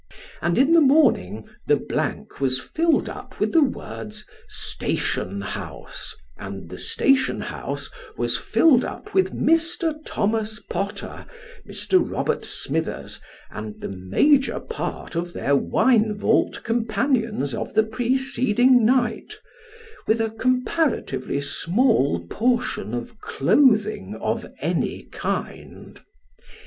and in the morning the blank was filled up with the words " STATION HOUSE," and the station house was filled up with Mr. Thomas Potter, Mr. Robert Smithers, and the major part of their wine vault companions of the preceding night, with a comparatively small portion of clothing of any kind.